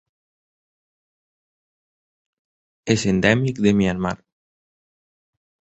És endèmic de Myanmar.